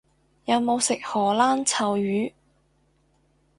有冇食荷蘭臭魚？